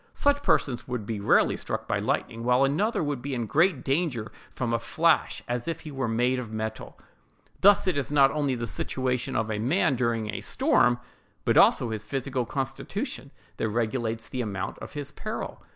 Such persons would be rarely struck by lightning, while another would be in as great danger from a flash as if he were made of metal. Thus it is not only the situation of a man, during a storm, but also his physical constitution, that regulates the amount of his peril.